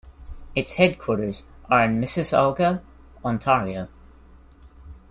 Its headquarters are in Mississauga, Ontario.